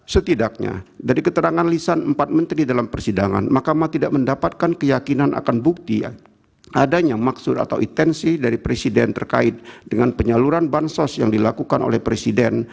setidaknya dari keterangan lisan empat menteri dalam persidangan makamah tidak mendapatkan keyakinan akan bukti adanya maksud atau intensi dari presiden terkait dengan penyaluran bansos yang dilakukan oleh presiden